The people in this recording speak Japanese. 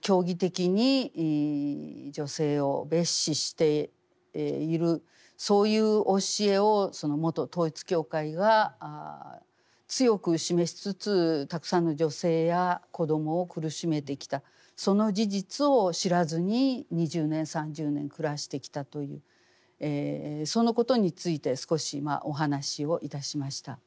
教義的に女性を蔑視しているそういう教えを元統一教会が強く示しつつたくさんの女性や子どもを苦しめてきたその事実を知らずに２０年３０年暮らしてきたというそのことについて少しお話をいたしました。